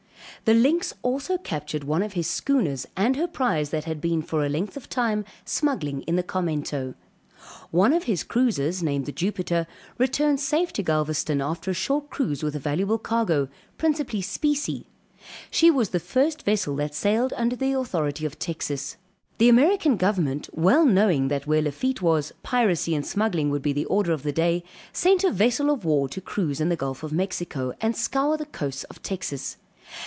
The Lynx also captured one of his schooners, and her prize that had been for a length of time smuggling in the Carmento. One of his cruisers, named the Jupiter, returned safe to Galvezton after a short cruise with a valuable cargo, principally specie; she was the first vessel that sailed under the authority of Texas. The American government well knowing that where Lafitte was, piracy and smuggling would be the order of the day, sent a vessel of war to cruise in the Gulf of Mexico, and scour the coasts of Texas.